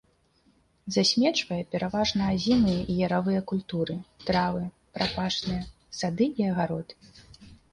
Засмечвае пераважна азімыя і яравыя культуры, травы, прапашныя, сады і агароды.